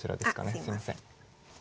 あっすいません。